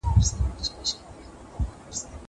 دا زده کړه له هغه ګټوره ده.